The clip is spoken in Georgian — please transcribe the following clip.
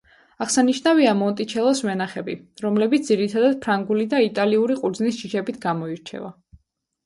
აღსანიშნავია მონტიჩელოს ვენახები, რომლებიც ძირითადად ფრანგული და იტალიური ყურძნის ჯიშებით გამოირჩევა.